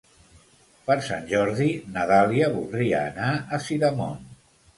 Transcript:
Per Sant Jordi na Dàlia voldria anar a Sidamon.